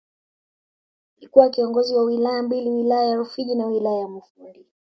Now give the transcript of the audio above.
Alikuwa kiongozi wa Wilaya mbili Wilaya ya Rufiji na Wilaya ya Mufindi